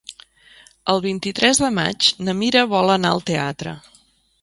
El vint-i-tres de maig na Mira vol anar al teatre.